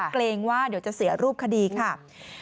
เกรงว่าเดี๋ยวจะเสียรูปคดีค่ะ